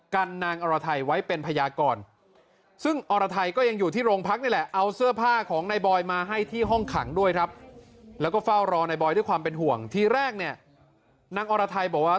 ก็เฝ้ารอนายบอยด้วยความเป็นห่วงทีแรกนางอรไทยบอกว่า